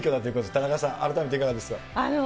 田中さん、改めていかがでしょう。